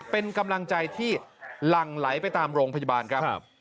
เป็นกำลังใจที่หลั่งไหลไปตามโรงพยาบาลครับ